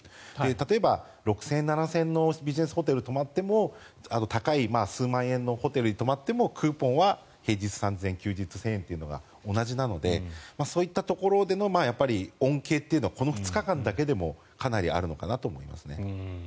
例えば６０００円、７０００円のビジネスホテルに泊まっても高い数万円のホテルに泊まってもクーポンは平日３０００円休日１０００円は同じなのでそういったところでの恩恵というのはこの２日間だけでもかなりあるのかなと思いますね。